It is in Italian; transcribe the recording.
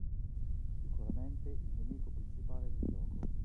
Sicuramente il nemico principale del gioco.